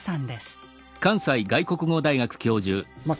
まあ